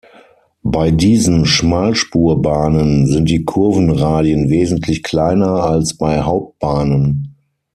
Bei diesen Schmalspurbahnen sind die Kurvenradien wesentlich kleiner als bei Hauptbahnen.